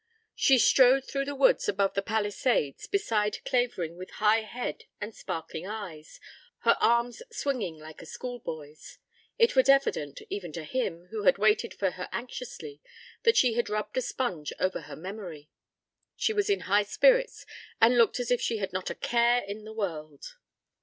She strode through the woods above the Palisades beside Clavering with high head and sparkling eyes, her arms swinging like a schoolboy's. It was evident even to him, who had waited for her anxiously, that she had rubbed a sponge over her memory. She was in high spirits and looked as if she had not a care in the world.